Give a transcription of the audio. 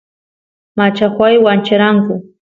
machajuay wancheranku